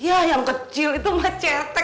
ya yang kecil itu mah cetek